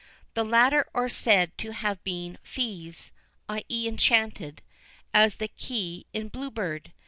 The latter are said to have been "fées" i.e. enchanted, as the key in Blue Beard.